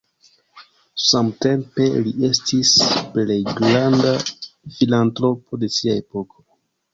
Samtempe, li estis plej granda filantropo de sia epoko.